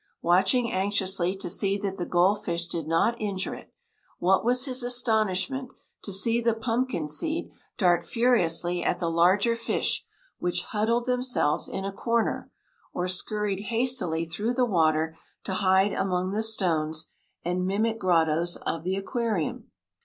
Watching anxiously to see that the gold fish did not injure it, what was his astonishment to see the "pumpkin seed" dart furiously at the larger fish, which huddled themselves in a corner, or scurried hastily through the water to hide among the stones and mimic grottoes of the aquarium!